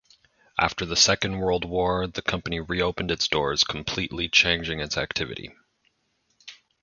After the Second World War, the company reopened its doors, completely changing its activity.